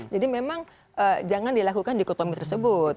jadi memang jangan dilakukan di kutomi tersebut